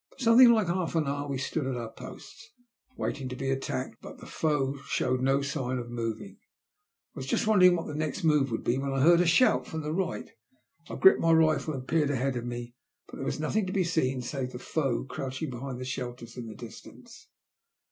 For something like half an hour we stood at our posts, waiting to be attacked, but the foe showed no sign of moving. I was just wondering what the next move would be when I heard a shout from the right. I gripped my rifle and peered ahead of me, but there was nothing to be seen save the foe crouching behind their shelters in the distance.